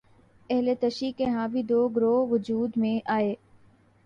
اہل تشیع کے ہاں بھی دو گروہ وجود میں آئے